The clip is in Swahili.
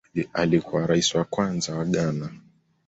Alikuwa Rais wa kwanza wa Ghana